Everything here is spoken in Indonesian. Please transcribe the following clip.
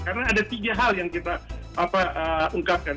karena ada tiga hal yang kita ungkapkan